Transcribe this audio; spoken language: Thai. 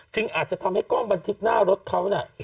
อาจจะทำให้กล้องบันทึกหน้ารถเขาน่ะ